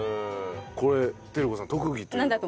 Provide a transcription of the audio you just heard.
これ照子さん特技というのは？